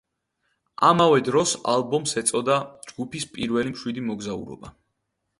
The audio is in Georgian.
ამავე დროს, ალბომს ეწოდა „ჯგუფის პირველი მშვიდი მოგზაურობა“.